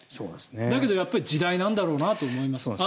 だけど、時代なんだろうなと思います。